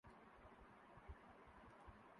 سائیں زرداری بھی پہلے یہئ کام کرتا تھا